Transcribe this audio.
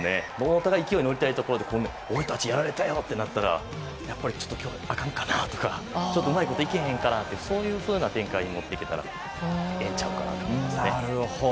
勢いに乗りたいところで俺たちやられたよってなったら今日はあかんかなとかうまいこといかへんかなとかそういうふうな展開に持っていけたらええんちゃうかなと思います。